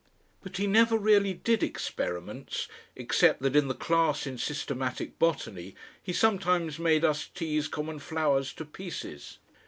But he never really did experiments, except that in the class in systematic botany he sometimes made us tease common flowers to pieces.